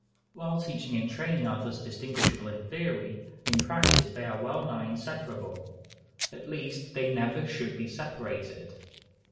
While teaching and training are thus distinguishable in theory, in practice they are well nigh inseparable. At least, they never should be separated.